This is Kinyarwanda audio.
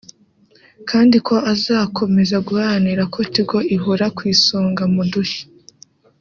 kandi ko azakomeza guharanira ko Tigo ihora ku isonga mu dushya